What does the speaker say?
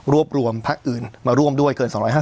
รวบรวมพักอื่นมาร่วมด้วยเกิน๒๕๖๐